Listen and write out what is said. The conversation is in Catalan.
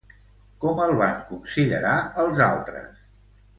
Com el van considerar els altres?